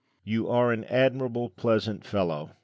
You are an admirable pleasant fellow.